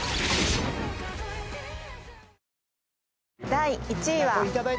第１位は。